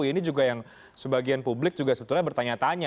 ini juga yang sebagian publik juga sebetulnya bertanya tanya